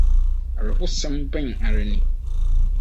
Awerɛhosɛm bɛn ara ni!